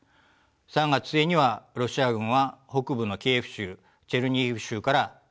３月末にはロシア軍は北部のキーウ州チェルニヒウ州から撤退しました。